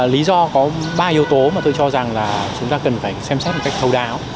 lý do có ba yếu tố mà tôi cho rằng là chúng ta cần phải xem xét một cách thấu đáo